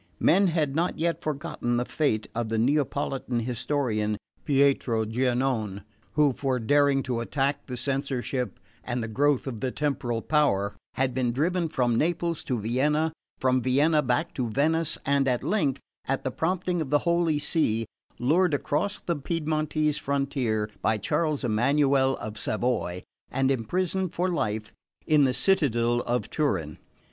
Men had not yet forgotten the fate of the Neapolitan historian, Pietro Giannone, who for daring to attack the censorship and the growth of the temporal power had been driven from Naples to Vienna, from Vienna back to Venice, and at length, at the prompting of the Holy See, lured across the Piedmontese frontier by Charles Emmanuel of Savoy, and imprisoned for life in the citadel of Turin.